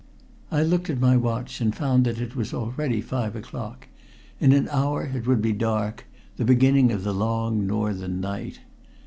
I looked at my watch, and found that it was already five o'clock. In an hour it would be dark, the beginning of the long northern night.